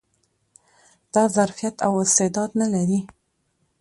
دا ظرفيت او استعداد نه لري